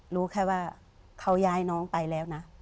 รู้แค่ว่าเขาย้ายน้องไปแล้วนะ